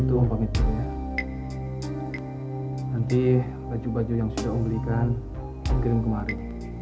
om masih mau bantu nisa mengatakan tangannya dulu